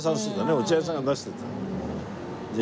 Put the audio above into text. お茶屋さんが出してるって。